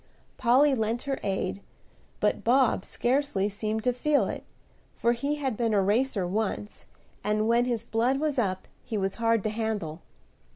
Polly lent her aid; but Bob scarcely seemed to feel it, for he had been a racer once, and when his blood was up he was hard to handle.